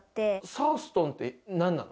サーストンってなんなの？